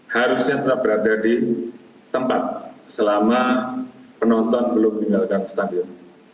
harusnya tetap berada di tempat selama penonton belum meninggalkan stadion